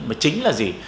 mà chính là gì